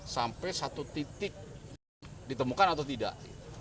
sampai satu titik ditemukan atau tidak